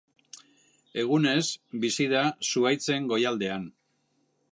Egunez bizi da zuhaitzen goialdean.